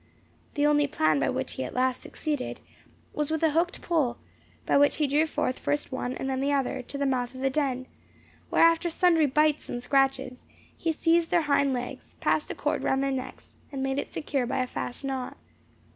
The only plan by which he at last succeeded, was with a hooked pole, by which he drew forth first one, and then the other, to the mouth of the den, where, after sundry bites and scratches, he seized their hind legs, passed a cord round their necks, and made it secure by a fast knot.